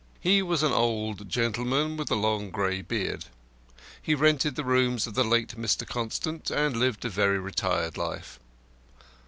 He was an old gentleman with a long grey beard. He rented the rooms of the late Mr. Constant, and lived a very retired life.